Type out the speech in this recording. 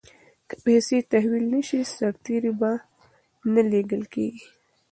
که پیسې تحویل نه شي سرتیري به نه لیږل کیږي.